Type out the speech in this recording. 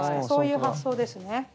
そういう発想ですね。